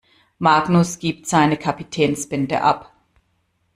Magnus gibt seine Kapitänsbinde ab.